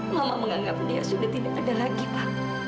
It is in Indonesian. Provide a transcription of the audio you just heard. mama menganggap dia sudah tidak ada lagi pak